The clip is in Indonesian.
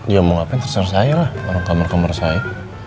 ya mau ngapain terserah saya lah orang kamar kamar saya